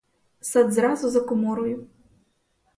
Сад зразу за коморою.